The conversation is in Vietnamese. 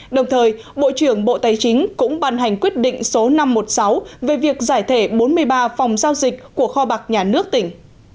đồng thời bộ trưởng bộ tài chính cũng ban hành quyết định số năm trăm một mươi sáu về việc giải thể bốn mươi ba phòng giao dịch của kho bạc nhà nước tỉnh